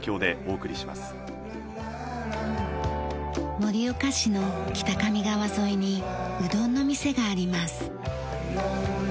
盛岡市の北上川沿いにうどんの店があります。